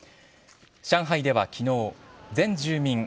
上海ではきのう、全住民